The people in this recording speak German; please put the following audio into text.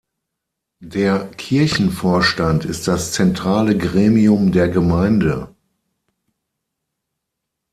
Der Kirchenvorstand ist das zentrale Gremium der Gemeinde.